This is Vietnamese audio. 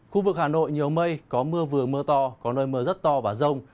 khu vực hà nội nhiều mây có mưa vừa mưa to có nơi mưa rất to và rông